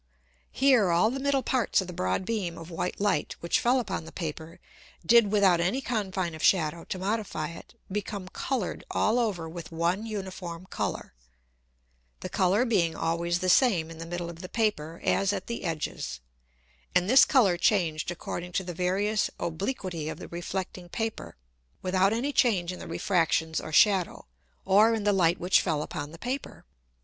Here all the middle parts of the broad beam of white Light which fell upon the Paper, did without any Confine of Shadow to modify it, become colour'd all over with one uniform Colour, the Colour being always the same in the middle of the Paper as at the edges, and this Colour changed according to the various Obliquity of the reflecting Paper, without any change in the Refractions or Shadow, or in the Light which fell upon the Paper.